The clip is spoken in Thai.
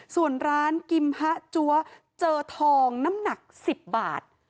ส่วนร้านกิมฮะจั๊วเจอทองน้ำหนัก๑๐บาท